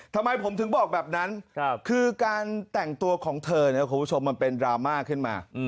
ทำไมผมถึงบอกแบบนั้นคือการแต่งตัวของเธอเนี่ยคุณผู้ชมมันเป็นดราม่าขึ้นมา